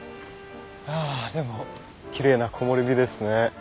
あでもきれいな木漏れ日ですね。